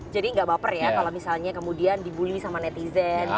jadi nggak baper ya kalau misalnya kemudian dibully sama netizen dibully sama masyarakat